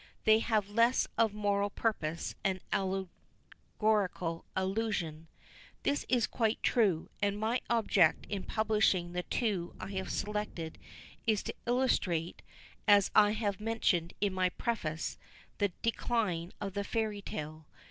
They have less of moral purpose and allegorical allusion." This is quite true; and my object in publishing the two I have selected is to illustrate, as I have mentioned in my preface, the decline of the Fairy tale.